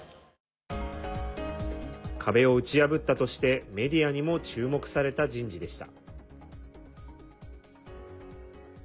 壁を打ち破ったとしてメディアにも注目された人事でした。